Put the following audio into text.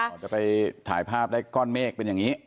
ก่อนจะไปถ่ายภาพได้ก้อนเมฆเป็นอย่างนี้